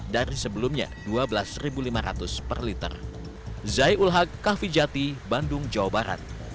dari sebelumnya rp dua belas lima ratus per liter